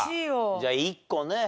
じゃあ１個ね。